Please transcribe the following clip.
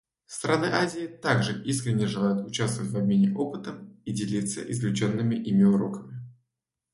Страны Азии также искренне желают участвовать в обмене опытом и делиться извлеченными ими уроками.